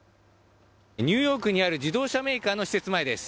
ニューヨークにある自動車メーカーの施設前です。